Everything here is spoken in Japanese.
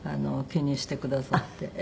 気にしてくださって。